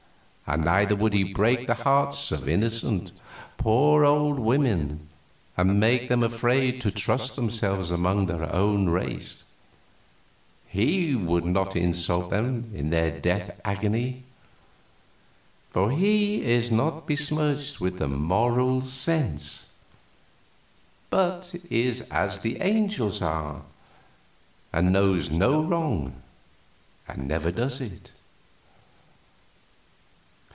And neither would he break the hearts of innocent, poor old women and make them afraid to trust themselves among their own race; and he would not insult them in their death agony. For he is not besmirched with the Moral Sense, but is as the angels are, and knows no wrong, and never does it."